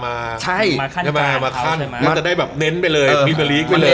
มาขั้นการเขาใช่มั้ยใช่มาขั้นจะได้แบบเน้นไปเลยมีบริกไปเลย